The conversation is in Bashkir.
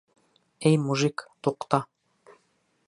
Эй, мужик, туҡта!